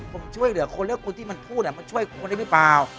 ผมช่วยเหลือคนเลือกคนที่มันพูดมันช่วยคนได้หรือเปล่า